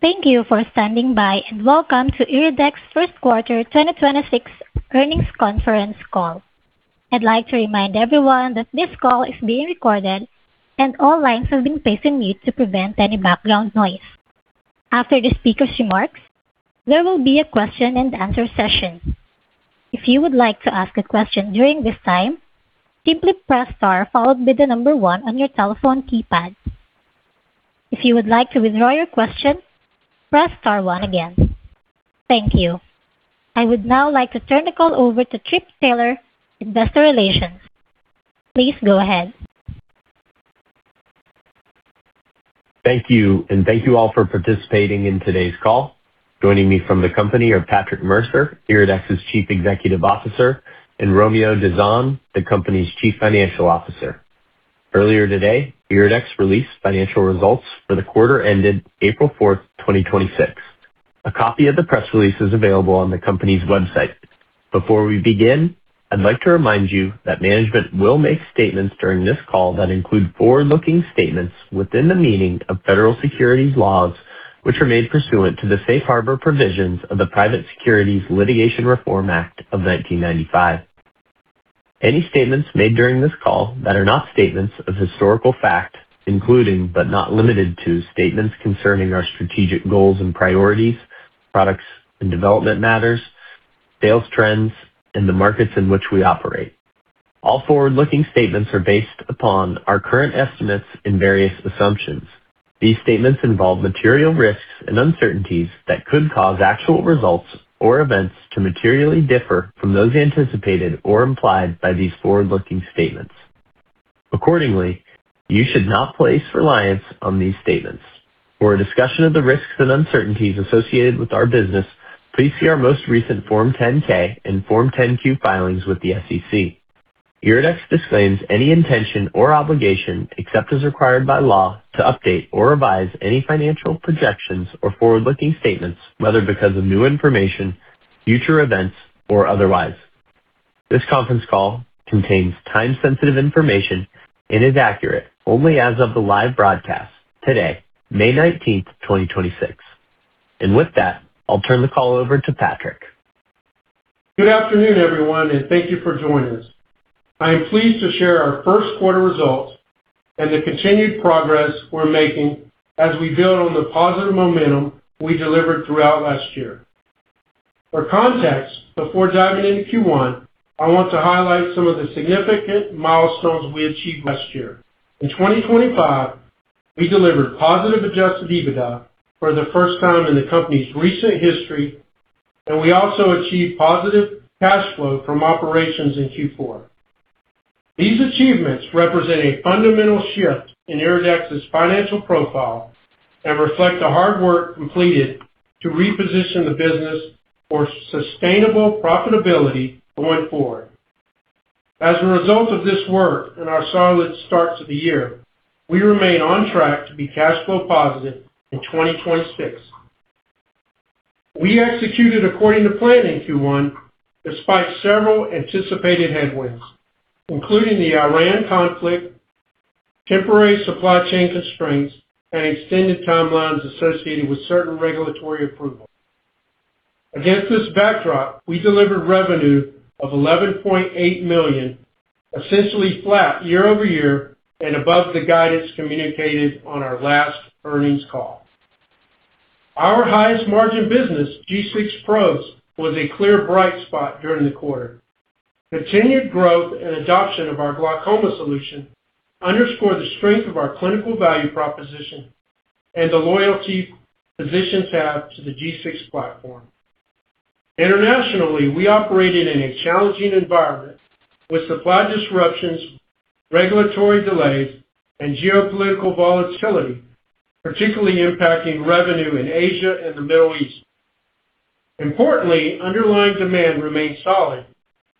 Thank you for standing by, and welcome to IRIDEX first quarter 2026 earnings conference call. I'd like to remind everyone that this call is being recorded and all lines have been placed in mute to prevent any background noise. After the speaker's remarks, there will be a question-and-answer session. If you would like to ask a question at this time, press star followed by number one on your telephone keypad. If you'd like to withdraw your question, press star one again. Thank you. I would now like to turn the call over to Philip Taylor, Investor Relations. Please go ahead. Thank you, and thank you all for participating in today's call. Joining me from the company are Patrick Mercer, IRIDEX's Chief Executive Officer, and Romeo Dizon, the company's Chief Financial Officer. Earlier today, IRIDEX released financial results for the quarter ended April 4th, 2026. A copy of the press release is available on the company's website. Before we begin, I'd like to remind you that management will make statements during this call that include forward-looking statements within the meaning of federal securities laws, which are made pursuant to the safe harbor provisions of the Private Securities Litigation Reform Act of 1995. Any statements made during this call that are not statements of historical fact, including but not limited to statements concerning our strategic goals and priorities, products and development matters, sales trends, and the markets in which we operate. All forward-looking statements are based upon our current estimates and various assumptions. These statements involve material risks and uncertainties that could cause actual results or events to materially differ from those anticipated or implied by these forward-looking statements. Accordingly, you should not place reliance on these statements. For a discussion of the risks and uncertainties associated with our business, please see our most recent Form 10-K and Form 10-Q filings with the SEC. IRIDEX disclaims any intention or obligation, except as required by law, to update or revise any financial projections or forward-looking statements, whether because of new information, future events, or otherwise. This conference call contains time-sensitive information and is accurate only as of the live broadcast today, May 19th, 2026. With that, I'll turn the call over to Patrick. Good afternoon, everyone, and thank you for joining us. I am pleased to share our first quarter results and the continued progress we're making as we build on the positive momentum we delivered throughout last year. For context, before diving into Q1, I want to highlight some of the significant milestones we achieved last year. In 2025, we delivered positive Adjusted EBITDA for the first time in the company's recent history, and we also achieved positive cash flow from operations in Q4. These achievements represent a fundamental shift in IRIDEX's financial profile and reflect the hard work completed to reposition the business for sustainable profitability going forward. As a result of this work and our solid starts of the year, we remain on track to be cash flow positive in 2026. We executed according to plan in Q1 despite several anticipated headwinds, including the Iran conflict, temporary supply chain constraints, and extended timelines associated with certain regulatory approvals. Against this backdrop, we delivered revenue of $11.8 million, essentially flat year-over-year and above the guidance communicated on our last earnings call. Our highest margin business, G6 probes, was a clear bright spot during the quarter. Continued growth and adoption of our glaucoma solution underscore the strength of our clinical value proposition and the loyalty physicians have to the G6 platform. Internationally, we operated in a challenging environment with supply disruptions, regulatory delays, and geopolitical volatility, particularly impacting revenue in Asia and the Middle East. Importantly, underlying demand remains solid,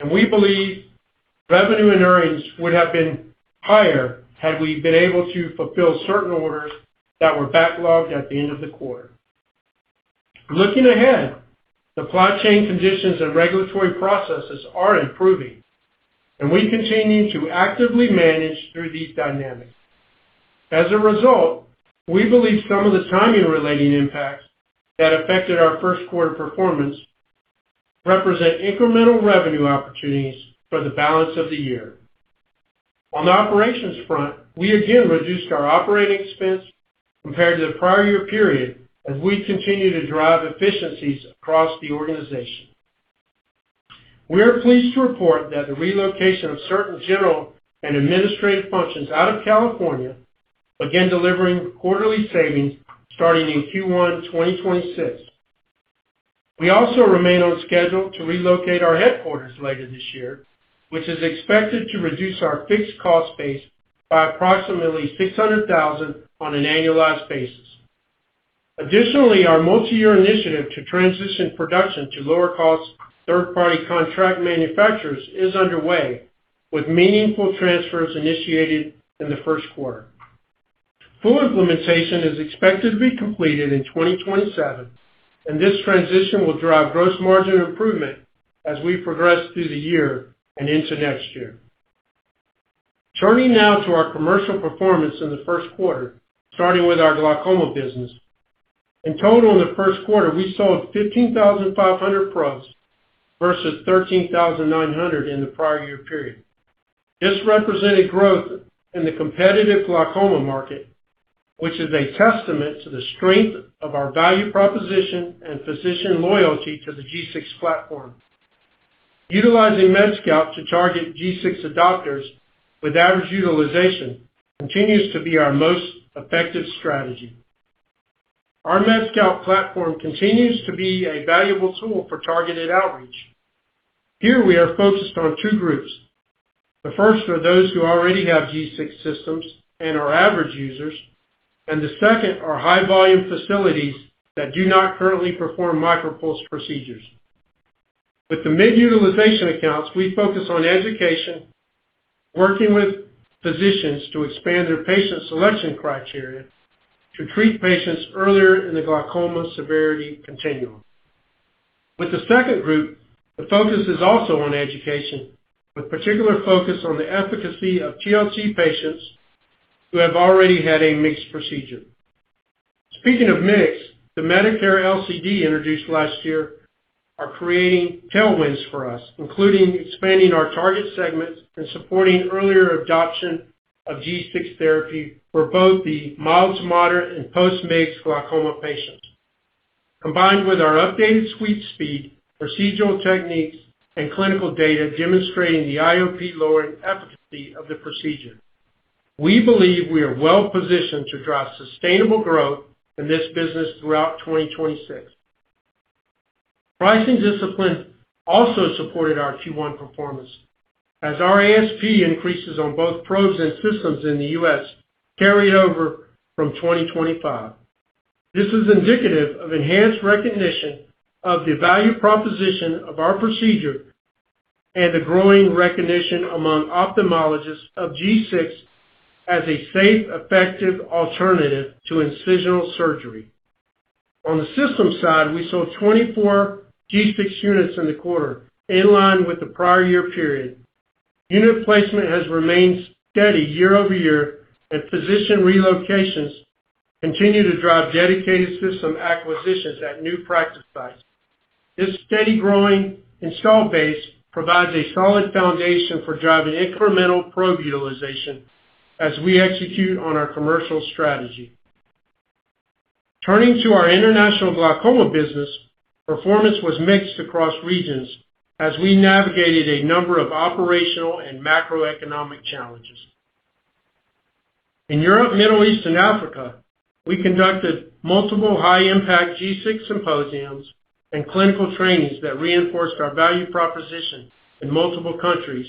and we believe revenue and earnings would have been higher had we been able to fulfill certain orders that were backlogged at the end of the quarter. Looking ahead, supply chain conditions and regulatory processes are improving, and we continue to actively manage through these dynamics. As a result, we believe some of the timing-related impacts that affected our first quarter performance represent incremental revenue opportunities for the balance of the year. On the operations front, we again reduced our operating expense compared to the prior year period as we continue to drive efficiencies across the organization. We are pleased to report that the relocation of certain general and administrative functions out of California began delivering quarterly savings starting in Q1 2026. We also remain on schedule to relocate our headquarters later this year, which is expected to reduce our fixed cost base by approximately $600,000 on an annualized basis. Additionally, our multi-year initiative to transition production to lower-cost third-party contract manufacturers is underway, with meaningful transfers initiated in the first quarter. Full implementation is expected to be completed in 2027. This transition will drive gross margin improvement as we progress through the year and into next year. Turning now to our commercial performance in the first quarter, starting with our glaucoma business. In total, in the first quarter, we sold 15,500 probes versus 13,900 in the prior year period. This represented growth in the competitive glaucoma market, which is a testament to the strength of our value proposition and physician loyalty to the G6 platform. Utilizing MedScout to target G6 adopters with average utilization continues to be our most effective strategy. Our MedScout platform continues to be a valuable tool for targeted outreach. Here we are focused on two groups. The first are those who already have G6 systems and are average users, and the second are high-volume facilities that do not currently perform MicroPulse procedures. With the mid-utilization accounts, we focus on education, working with physicians to expand their patient selection criteria to treat patients earlier in the glaucoma severity continuum. With the second group, the focus is also on education, with particular focus on the efficacy of TLT patients who have already had a MIGS procedure. Speaking of MIGS, the Medicare LCD introduced last year are creating tailwinds for us, including expanding our target segments and supporting earlier adoption of G6 therapy for both the mild to moderate and post-MIGS glaucoma patients. Combined with our updated sweep speed, procedural techniques, and clinical data demonstrating the IOP lowering efficacy of the procedure, we believe we are well positioned to drive sustainable growth in this business throughout 2026. Pricing discipline also supported our Q1 performance as our ASP increases on both probes and systems in the U.S. carried over from 2025. This is indicative of enhanced recognition of the value proposition of our procedure and the growing recognition among ophthalmologists of G6 as a safe, effective alternative to incisional surgery. On the system side, we sold 24 G6 units in the quarter, in line with the prior year period. Unit placement has remained steady year-over-year, physician relocations continue to drive dedicated system acquisitions at new practice sites. This steady growing install base provides a solid foundation for driving incremental probe utilization as we execute on our commercial strategy. Turning to our international glaucoma business, performance was mixed across regions as we navigated a number of operational and macroeconomic challenges. In Europe, Middle East, and Africa, we conducted multiple high-impact G6 symposiums and clinical trainings that reinforced our value proposition in multiple countries,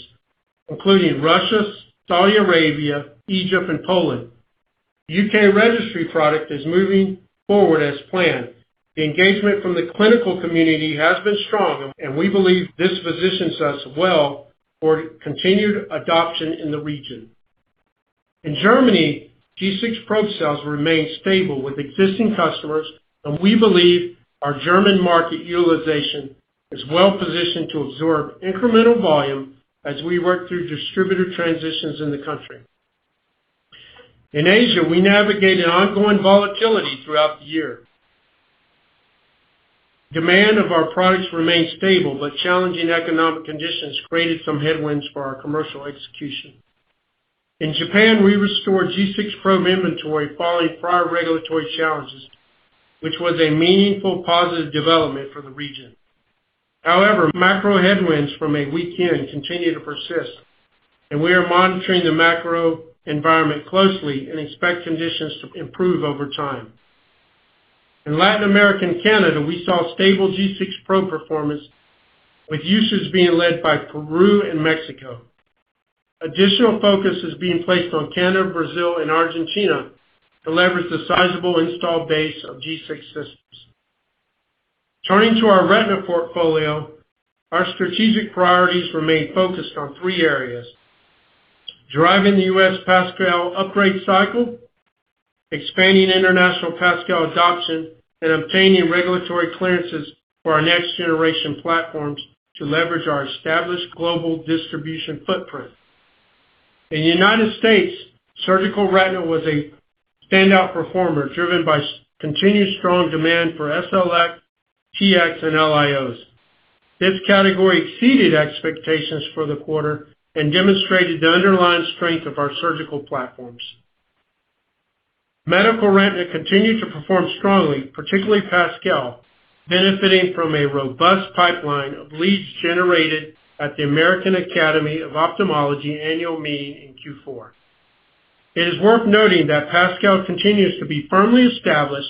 including Russia, Saudi Arabia, Egypt, and Poland. U.K. registry product is moving forward as planned. The engagement from the clinical community has been strong. We believe this positions us well for continued adoption in the region. In Germany, G6 probe sales remain stable with existing customers. We believe our German market utilization is well positioned to absorb incremental volume as we work through distributor transitions in the country. In Asia, we navigated ongoing volatility throughout the year. Demand of our products remained stable. Challenging economic conditions created some headwinds for our commercial execution. In Japan, we restored G6 probe inventory following prior regulatory challenges, which was a meaningful positive development for the region. Macro headwinds from a weak yen continue to persist, and we are monitoring the macro environment closely and expect conditions to improve over time. In Latin America and Canada, we saw stable G6 probe performance, with usage being led by Peru and Mexico. Additional focus is being placed on Canada, Brazil, and Argentina to leverage the sizable install base of G6 systems. Turning to our Retina portfolio, our strategic priorities remain focused on three areas. Driving the U.S. PASCAL upgrade cycle, expanding international PASCAL adoption, and obtaining regulatory clearances for our next generation platforms to leverage our established global distribution footprint. In the United States, surgical Retina was a standout performer, driven by continued strong demand for SLx, TX, and LIOs. This category exceeded expectations for the quarter and demonstrated the underlying strength of our surgical platforms. Medical Retina continued to perform strongly, particularly PASCAL, benefiting from a robust pipeline of leads generated at the American Academy of Ophthalmology annual meeting in Q4. It is worth noting that PASCAL continues to be firmly established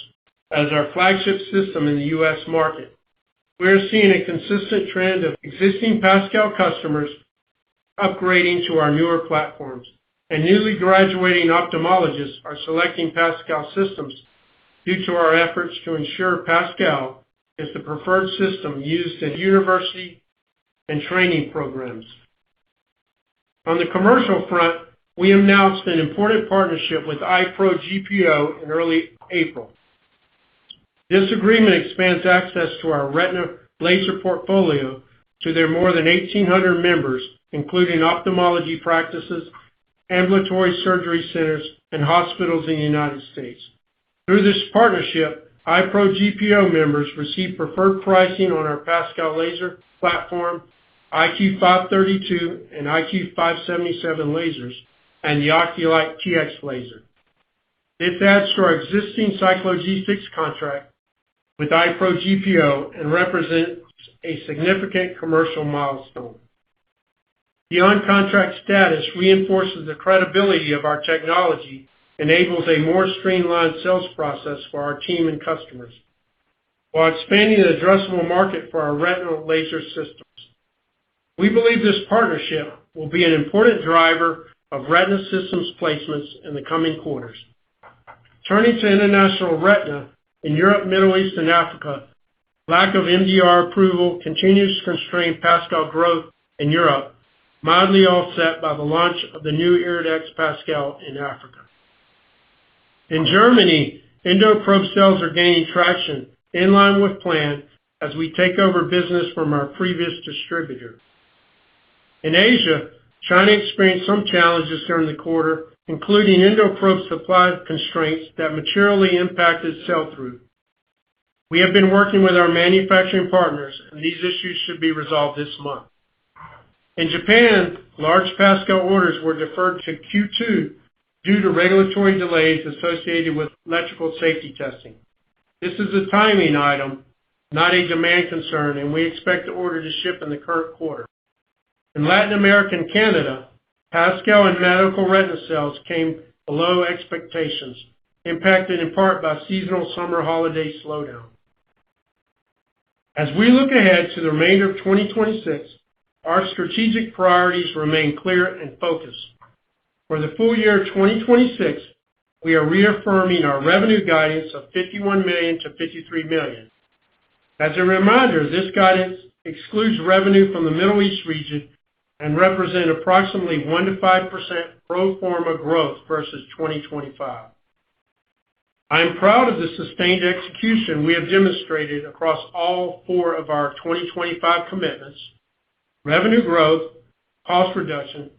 as our flagship system in the U.S. market. We are seeing a consistent trend of existing PASCAL customers upgrading to our newer platforms, and newly graduating ophthalmologists are selecting PASCAL systems due to our efforts to ensure PASCAL is the preferred system used in university and training programs. On the commercial front, we announced an important partnership with EyeProGPO in early April. This agreement expands access to our Retina laser portfolio to their more than 1,800 members, including ophthalmology practices, ambulatory surgery centers, and hospitals in the U.S. Through this partnership, EyeProGPO members receive preferred pricing on our PASCAL laser platform, IQ 532 and IQ 577 lasers, and the OcuLight TX laser. This adds to our existing Cyclo G6 contract with EyeProGPO and represents a significant commercial milestone. The on-contract status reinforces the credibility of our technology, enables a more streamlined sales process for our team and customers, while expanding the addressable market for our Retinal laser systems. We believe this partnership will be an important driver of Retina systems placements in the coming quarters. Turning to international Retina in Europe, Middle East, and Africa, lack of MDR approval continues to constrain PASCAL growth in Europe, mildly offset by the launch of the new IRIDEX PASCAL in Africa. In Germany, EndoProbe sales are gaining traction in line with plan as we take over business from our previous distributor. In Asia, China experienced some challenges during the quarter, including EndoProbe supply constraints that materially impacted sell-through. We have been working with our manufacturing partners, and these issues should be resolved this month. In Japan, large PASCAL orders were deferred to Q2 due to regulatory delays associated with electrical safety testing. This is a timing item, not a demand concern, and we expect the order to ship in the current quarter. In Latin America and Canada, PASCAL and medical Retina sales came below expectations, impacted in part by seasonal summer holiday slowdown. As we look ahead to the remainder of 2026, our strategic priorities remain clear and focused. For the full year 2026, we are reaffirming our revenue guidance of $51 million-$53 million. As a reminder, this guidance excludes revenue from the Middle East region and represent approximately 1%-5% pro forma growth versus 2025. I am proud of the sustained execution we have demonstrated across all four of our 2025 commitments, revenue growth, cost reduction,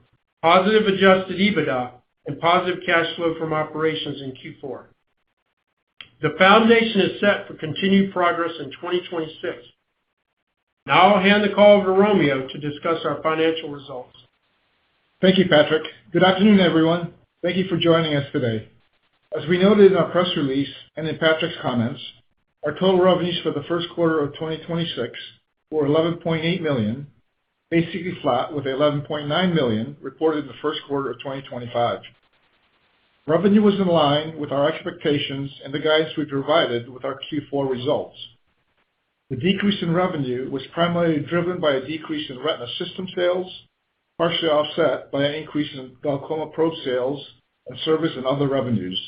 positive Adjusted EBITDA, and positive cash flow from operations in Q4. The foundation is set for continued progress in 2026. Now I'll hand the call over to Romeo to discuss our financial results. Thank you, Patrick. Good afternoon, everyone. Thank you for joining us today. As we noted in our press release and in Patrick's comments, our total revenues for the first quarter of 2026 were $11.8 million, basically flat with $11.9 million reported in the first quarter of 2025. Revenue was in line with our expectations and the guidance we provided with our Q4 results. The decrease in revenue was primarily driven by a decrease in Retina system sales, partially offset by an increase in glaucoma probe sales and service and other revenues.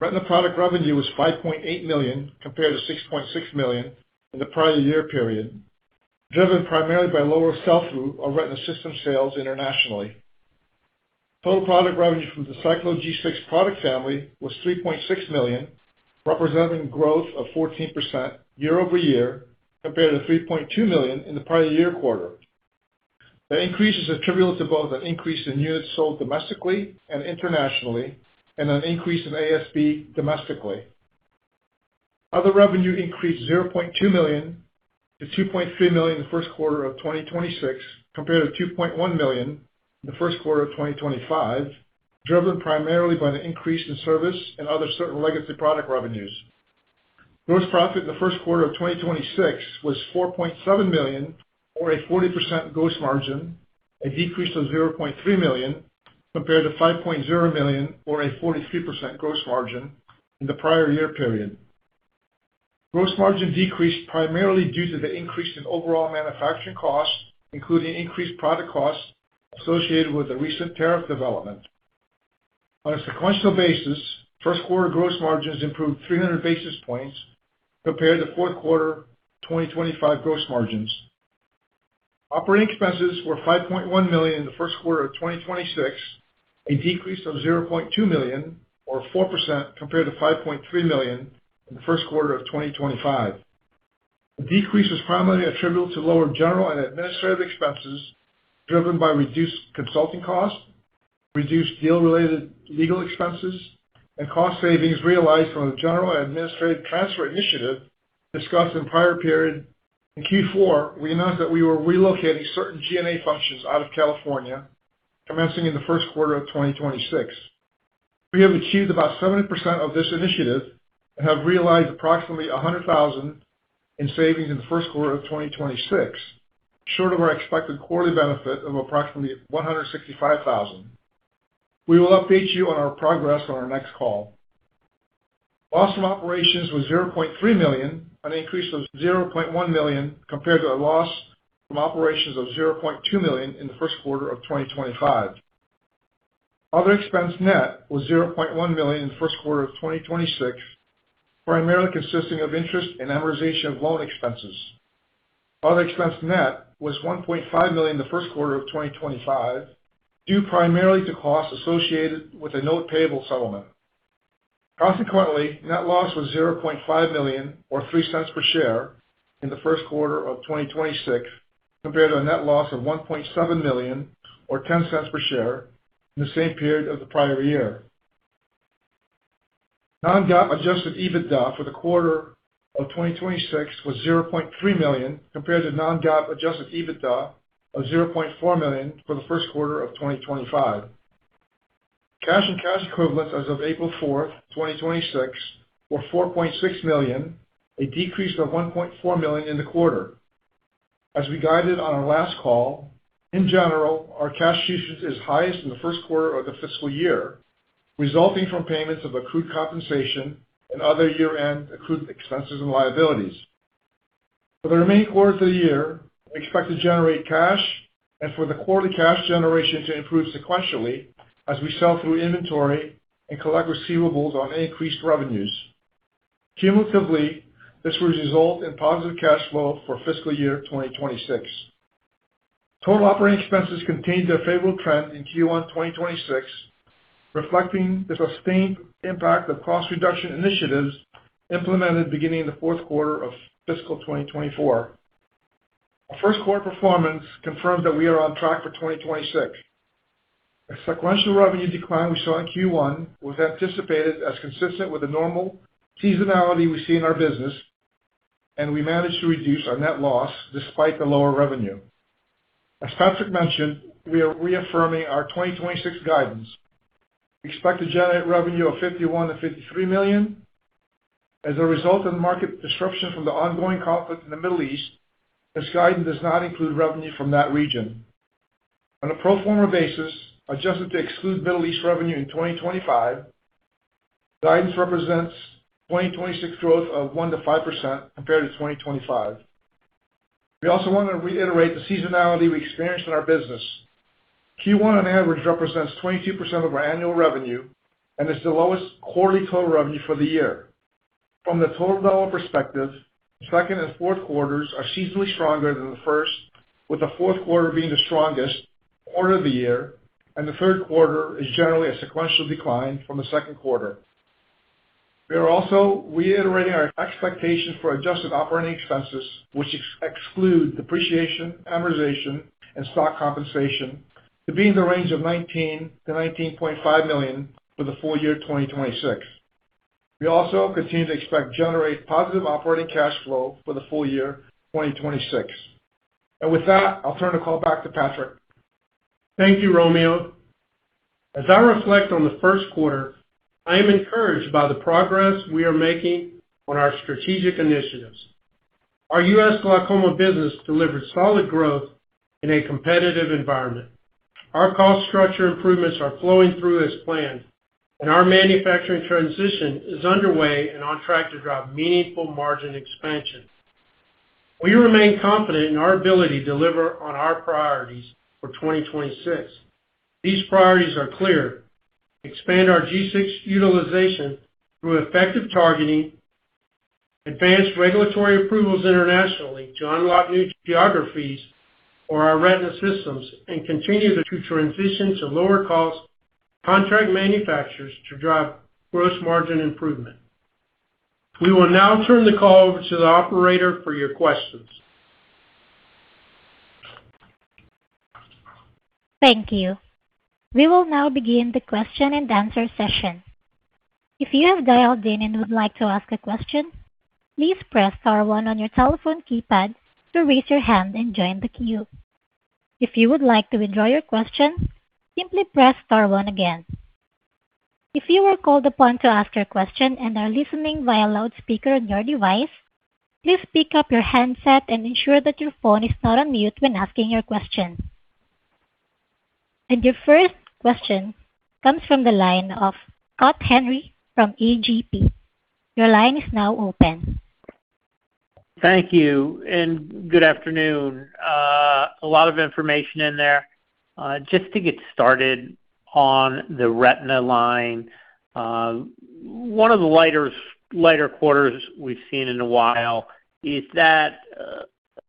Retina product revenue was $5.8 million compared to $6.6 million in the prior year period, driven primarily by lower sell-through on Retina system sales internationally. Total product revenue from the Cyclo G6 product family was $3.6 million, representing growth of 14% year-over-year compared to $3.2 million in the prior year quarter. The increase is attributable to both an increase in units sold domestically and internationally and an increase in ASP domestically. Other revenue increased $0.2 million-$2.3 million in the first quarter of 2026 compared to $2.1 million in the first quarter of 2025, driven primarily by the increase in service and other certain legacy product revenues. Gross profit in the first quarter of 2026 was $4.7 million or a 40% gross margin, a decrease of $0.3 million compared to $5.0 million or a 43% gross margin in the prior year period. Gross margin decreased primarily due to the increase in overall manufacturing costs, including increased product costs associated with the recent tariff development. On a sequential basis, first quarter gross margins improved 300 basis points compared to fourth quarter 2025 gross margins. Operating expenses were $5.1 million in the first quarter of 2026, a decrease of $0.2 million or 4% compared to $5.3 million in the first quarter of 2025. The decrease was primarily attributable to lower general and administrative expenses driven by reduced consulting costs, reduced deal-related legal expenses, and cost savings realized from the general and administrative transfer initiative discussed in the prior period. In Q4, we announced that we were relocating certain G&A functions out of California, commencing in the first quarter of 2026. We have achieved about 70% of this initiative and have realized approximately $100,000 in savings in the first quarter of 2026, short of our expected quarterly benefit of approximately $165,000. We will update you on our progress on our next call. Loss from operations was $0.3 million, an increase of $0.1 million compared to a loss from operations of $0.2 million in the first quarter of 2025. Other expense net was $0.1 million in the first quarter of 2026, primarily consisting of interest and amortization of loan expenses. Other expense net was $1.5 million the first quarter of 2025, due primarily to costs associated with a note payable settlement. Consequently, net loss was $0.5 million or $0.03 per share in the first quarter of 2026, compared to a net loss of $1.7 million or $0.10 per share in the same period of the prior year. non-GAAP Adjusted EBITDA for the quarter of 2026 was $0.3 million, compared to non-GAAP Adjusted EBITDA of $0.4 million for the first quarter of 2025. Cash and cash equivalents as of April 4th, 2026 were $4.6 million, a decrease of $1.4 million in the quarter. As we guided on our last call, in general, our cash usage is highest in the first quarter of the fiscal year, resulting from payments of accrued compensation and other year-end accrued expenses and liabilities. For the remaining quarters of the year, we expect to generate cash and for the quarterly cash generation to improve sequentially as we sell through inventory and collect receivables on increased revenues. Cumulatively, this will result in positive cash flow for fiscal year 2026. Total operating expenses contained their favorable trend in Q1 2026, reflecting the sustained impact of cost reduction initiatives implemented beginning in the fourth quarter of fiscal 2024. Our first quarter performance confirms that we are on track for 2026. The sequential revenue decline we saw in Q1 was anticipated as consistent with the normal seasonality we see in our business, and we managed to reduce our net loss despite the lower revenue. As Patrick mentioned, we are reaffirming our 2026 guidance. We expect to generate revenue of $51 million-$53 million. As a result of the market disruption from the ongoing conflict in the Middle East, this guidance does not include revenue from that region. On a pro forma basis, adjusted to exclude Middle East revenue in 2025, guidance represents 2026 growth of 1%-5% compared to 2025. We also want to reiterate the seasonality we experienced in our business. Q1 on average represents 22% of our annual revenue and is the lowest quarterly total revenue for the year. From the total dollar perspective, second and fourth quarters are seasonally stronger than the first, with the fourth quarter being the strongest quarter of the year, and the third quarter is generally a sequential decline from the second quarter. We are also reiterating our expectations for adjusted operating expenses, which exclude depreciation, amortization, and stock compensation, to be in the range of $19 million-$19.5 million for the full year 2026. We also continue to expect to generate positive operating cash flow for the full year 2026. With that, I'll turn the call back to Patrick. Thank you, Romeo. As I reflect on the 1st quarter, I am encouraged by the progress we are making on our strategic initiatives. Our U.S. glaucoma business delivered solid growth in a competitive environment. Our cost structure improvements are flowing through as planned, and our manufacturing transition is underway and on track to drive meaningful margin expansion. We remain confident in our ability to deliver on our priorities for 2026. These priorities are clear. Expand our G6 utilization through effective targeting, advance regulatory approvals internationally to unlock new geographies for our Retina systems, and continue to transition to lower cost contract manufacturers to drive gross margin improvement. We will now turn the call over to the operator for your questions. Thank you. We will now begin the question-and-answer session. If you have dialed in and would like to ask a question, please press star one on your telephone keypad to raise your hand and join the queue. If you would like to withdraw your question, simply press star one again. If you were called upon to ask your question and are listening via loudspeaker on your device, please pick up your handset and ensure that your phone is not on mute when asking your question. And your first question comes from the line of Scott Henry from AGP. Your line is now open. Thank you, and good afternoon. A lot of information in there. Just to get started on the Retina line, one of the lighter quarters we've seen in a while. Is that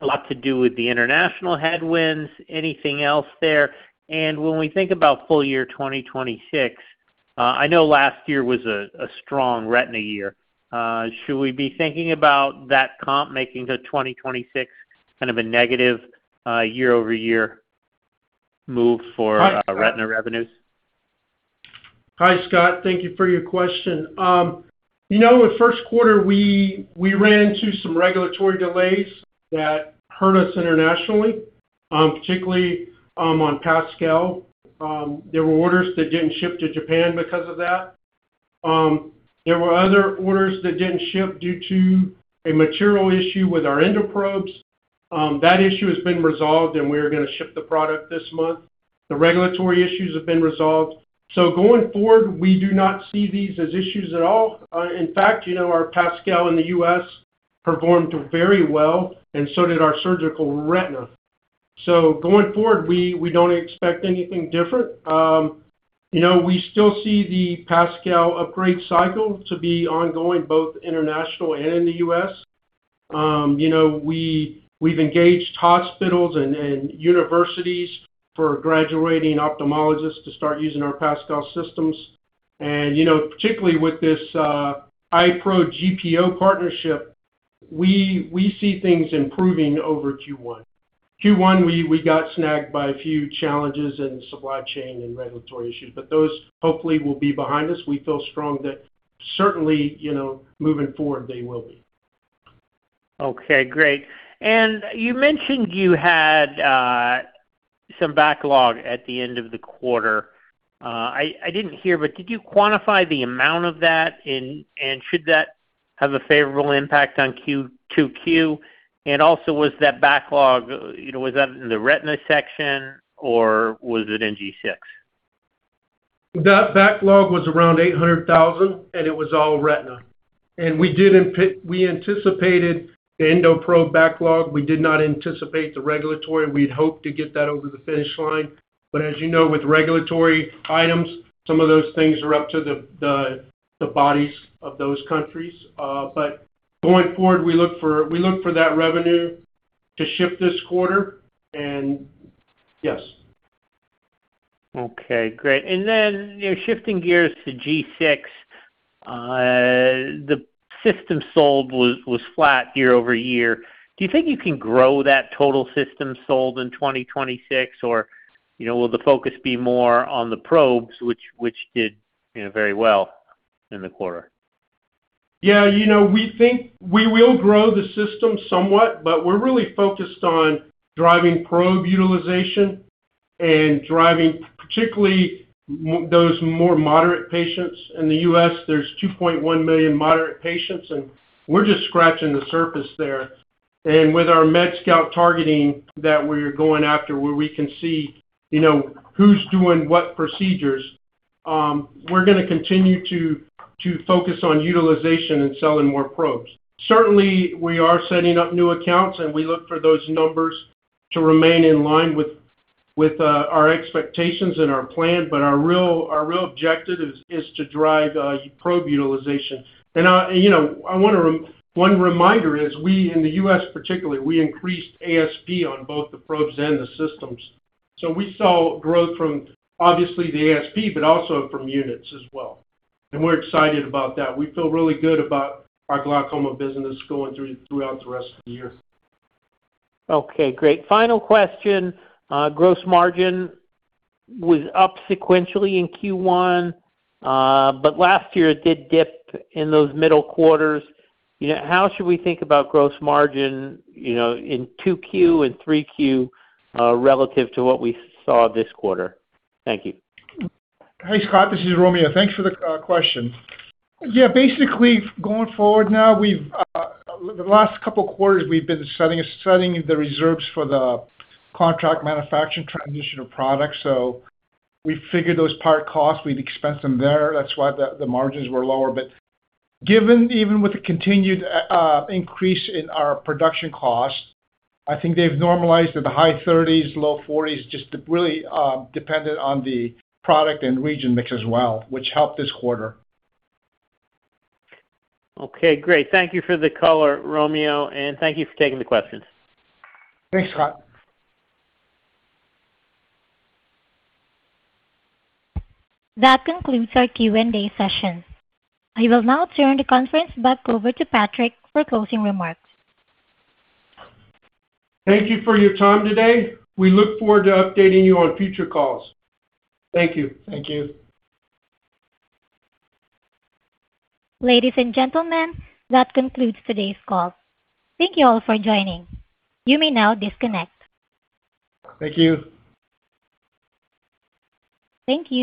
a lot to do with the international headwinds? Anything else there? When we think about full year 2026, I know last year was a strong Retina year. Should we be thinking about that comp making the 2026 kind of a negative, year-over-year move for- Hi- Retina revenues? Hi, Scott. Thank you for your question. You know, in first quarter, we ran into some regulatory delays that hurt us internationally, particularly on PASCAL. There were orders that didn't ship to Japan because of that. There were other orders that didn't ship due to a material issue with our EndoProbes. That issue has been resolved, and we are gonna ship the product this month. The regulatory issues have been resolved. Going forward, we do not see these as issues at all. In fact, you know, our PASCAL in the U.S. performed very well, and so did our surgical Retina. Going forward, we don't expect anything different. You know, we still see the PASCAL upgrade cycle to be ongoing, both international and in the U.S. You know, we've engaged hospitals and universities for graduating ophthalmologists to start using our PASCAL systems. You know, particularly with this EyeProGPO partnership, we see things improving over Q1. Q1, we got snagged by a few challenges in supply chain and regulatory issues, but those hopefully will be behind us. We feel strong that certainly, you know, moving forward, they will be. Okay, great. You mentioned you had some backlog at the end of the quarter. I didn't hear, but did you quantify the amount of that and should that have a favorable impact on 2Q? Also, was that backlog, you know, was that in the Retina section, or was it in G6? That backlog was around $800,000, and it was all Retina. We anticipated the EndoProbe backlog. We did not anticipate the regulatory. We'd hoped to get that over the finish line. As you know, with regulatory items, some of those things are up to the bodies of those countries. Going forward, we look for that revenue to ship this quarter, and yes. Okay, great. you know, shifting gears to G6, the system sold was flat year-over-year. Do you think you can grow that total system sold in 2026 or, you know, will the focus be more on the probes which did, you know, very well in the quarter? Yeah, you know, we think we will grow the system somewhat, but we're really focused on driving probe utilization and driving particularly those more moderate patients. In the U.S., there's 2.1 million moderate patients, we're just scratching the surface there. With our MedScout targeting that we're going after, where we can see, you know, who's doing what procedures, we're gonna continue to focus on utilization and selling more probes. Certainly, we are setting up new accounts, and we look for those numbers to remain in line with our expectations and our plan. Our real objective is to drive probe utilization. You know, I wanna... One reminder is we, in the U.S. particularly, we increased ASP on both the probes and the systems. We saw growth from obviously the ASP, but also from units as well, and we're excited about that. We feel really good about our glaucoma business going throughout the rest of the year. Okay, great. Final question. Gross margin was up sequentially in Q1, last year it did dip in those middle quarters. You know, how should we think about gross margin, you know, in 2Q and 3Q relative to what we saw this quarter? Thank you. Hey, Scott, this is Romeo. Thanks for the question. Basically going forward now, the last couple of quarters, we've been setting the reserves for the contract manufacturing transition of products. We figured those part costs, we'd expense them there. That's why the margins were lower. Given even with the continued increase in our production costs, I think they've normalized at the high 30s%, low 40s%, just really, dependent on the product and region mix as well, which helped this quarter. Okay, great. Thank you for the color, Romeo, and thank you for taking the questions. Thanks, Scott. That concludes our Q&A session. I will now turn the conference back over to Patrick for closing remarks. Thank you for your time today. We look forward to updating you on future calls. Thank you. Thank you. Ladies and gentlemen, that concludes today's call. Thank you all for joining. You may now disconnect. Thank you. Thank you.